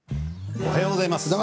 おはようございます。